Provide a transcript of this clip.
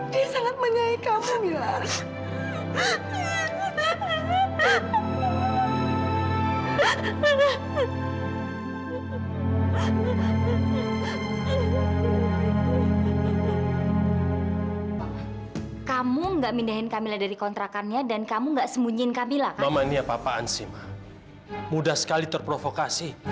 dia sangat menyaing kamu mila